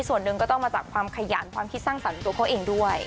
ส่วนหนึ่งก็ต้องมาจากความขยันความคิดสร้างสรรค์ตัวเขาเองด้วย